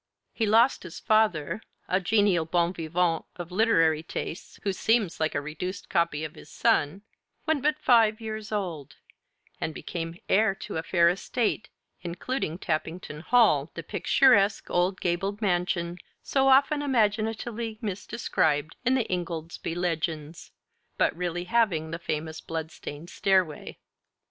He lost his father a genial bon vivant of literary tastes who seems like a reduced copy of his son when but five years old; and became heir to a fair estate, including Tappington Hall, the picturesque old gabled mansion so often imaginatively misdescribed in the 'Ingoldsby Legends,' but really having the famous blood stained stairway.